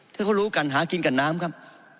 ถ้าเขารู้กันหากินกับน้ำครับ